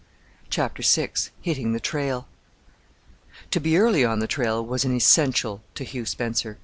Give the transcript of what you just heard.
CHAPTER VI HITTING THE TRAIL To be early on the trail was an essential to Hugh Spencer.